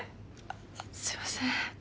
すいません。